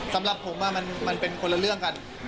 สำหรับผมมันเป็นคนละเรื่องกัน